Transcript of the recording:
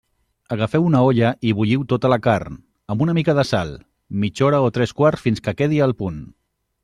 Agafeu una olla i bulliu tota la carn, amb una mica de sal, mitja hora o tres quarts fins que quedi al punt.